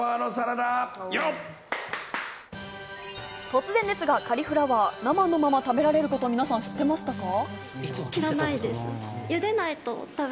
突然ですがカリフラワー、生のまま食べられることを皆さん知っていましたか？